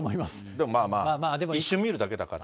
でもまあまあ一瞬見るだけだから。